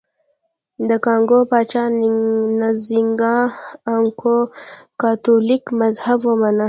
د کانګو پاچا نزینګا ا نکؤو کاتولیک مذهب ومانه.